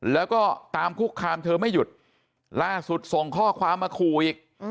แล้วก็ตามคุกคามเธอไม่หยุดล่าสุดส่งข้อความมาขู่อีก